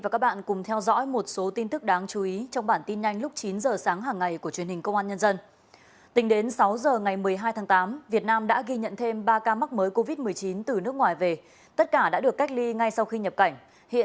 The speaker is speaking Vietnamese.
cảm ơn các bạn đã theo dõi